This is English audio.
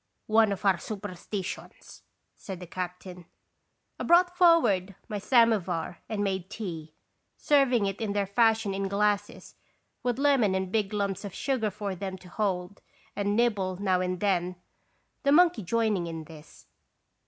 " One of our superstitions," said the cap tain. I brought forward my samovar a.n& made tea, serving it in their fashion in glasses, with lemon and big lumps of sugar for them to hold and nibble now and then, the monkey joining in this.